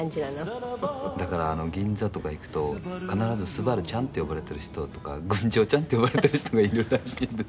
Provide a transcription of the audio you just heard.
谷村：だから、銀座とか行くと必ず、昴ちゃんって呼ばれてる人とか群青ちゃんって呼ばれてる人がいるらしいんですよね。